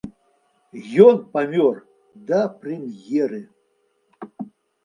Ён памёр да прэм'еры.